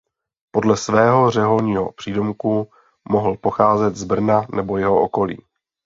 Podle svého řeholního přídomku mohl pocházet z Brna nebo jeho okolí.